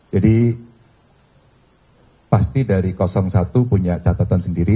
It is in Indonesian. jadi pasti dari satu punya catatan sendiri